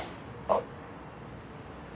あっ。